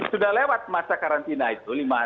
sudah lewat masa karantina itu